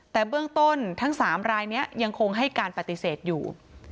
แต่เบื้องต้นทั้ง๓รายนี้ยังคงให้การปฏิเสธอยู่